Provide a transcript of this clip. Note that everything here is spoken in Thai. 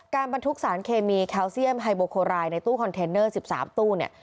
การบรรทุกสารเคมีแคลเซียมไฮโบคอลายในตู้คอนเทนเนอร์๑๓ตู้